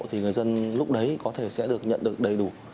thì người dân lúc đấy có thể sẽ được nhận được đầy đủ